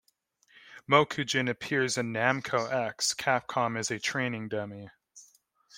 Mokujin appears in Namco x Capcom as a training dummy.